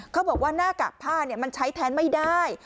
เขาบอกว่าหน้ากากผ้ามันใช้แทนไม่ได้